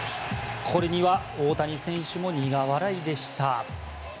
これには大谷選手も苦笑いでした。